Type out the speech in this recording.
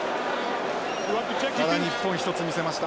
また日本一つ見せました。